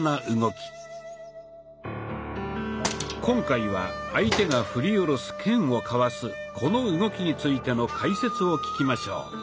今回は相手が振り下ろす剣をかわすこの動きについての解説を聞きましょう。